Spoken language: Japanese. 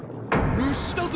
虫だぞ！